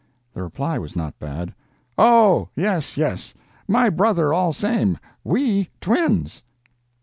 The reply was not bad: "Oh, yes—yes—my brother all same—we twins!"